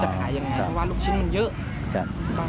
ขายยังไงเพราะว่าลูกชิ้นมันเยอะ